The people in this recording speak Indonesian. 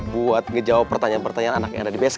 buat ngejawab pertanyaan pertanyaan anak yang ada di besi